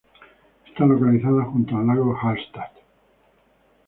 Está localizada junto al lago Hallstatt.